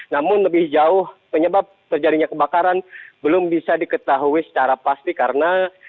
namun lebih jauh penyebab terjadinya kebakaran belum bisa diketahui secara pasti karena